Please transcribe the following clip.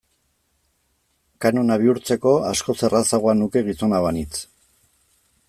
Kanona bihurtzeko askoz errazagoa nuke gizona banintz.